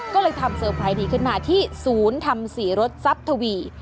ก็เลยทำเตอร์ไพรส์นี้ขึ้นมาที่ศูนย์ทำสีรถทรัพย์ทวี